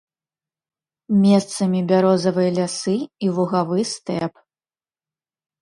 Месцамі бярозавыя лясы і лугавы стэп.